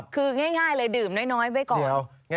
คือง่ายเลยดื่มน้อยไว้ก่อน